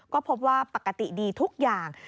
ก็พบว่าปกติดีทุกอย่าง